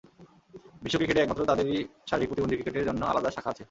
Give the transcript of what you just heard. বিশ্ব ক্রিকেটে একমাত্র তাদেরই শারীরিক প্রতিবন্ধী ক্রিকেটের জন্য আলাদা শাখা আছে।